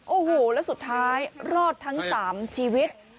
โอ้โหแล้วสุดท้ายรอดทั้ง๓ชีวิต